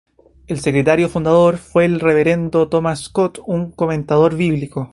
El secretario fundador fue el Reverendo Thomas Scott, un comentador bíblico.